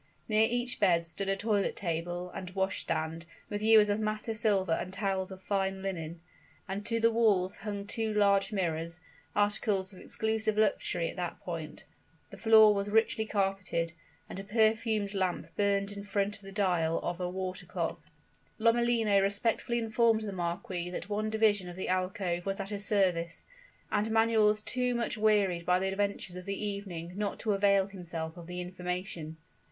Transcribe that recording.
Near each bed stood a toilet table and wash stand, with ewers of massive silver and towels of fine linen; and to the walls hung two large mirrors articles of exclusive luxury at that period. The floor was richly carpeted, and a perfumed lamp burned in front of the dial of a water clock. Lomellino respectfully informed the marquis that one division of the alcove was at his service; and Manuel was too much wearied by the adventures of the evening not to avail himself of the information.